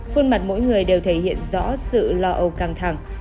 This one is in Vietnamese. khuôn mặt mỗi người đều thể hiện rõ sự lo âu căng thẳng